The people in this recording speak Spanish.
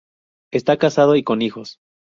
Está casado y con hijos.